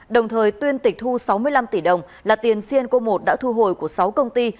đồng thời tuyên tịch thu sáu mươi năm tỷ đồng là tiền cyanco một đã thu hồi của sáu công ty